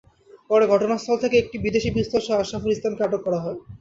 পরে ঘটনাস্থল থেকে একটি বিদেশি পিস্তলসহ আশরাফুল ইসলামকে আটক করা হয়।